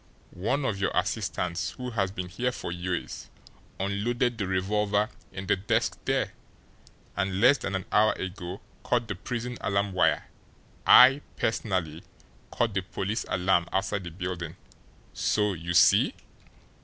One of your assistants who has been here for years unloaded the revolver in the desk there, and less than an hour ago cut the prison alarm wire. I, personally, cut the police alarm outside the building. So you see!"